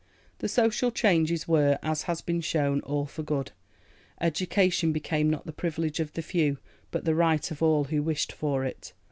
The social changes were, as has been shown, all for good. Education became not the privilege of the few but the right of all who wished for it.